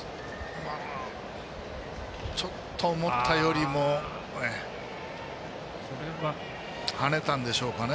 ちょっと思ったよりもはねたんでしょうかね。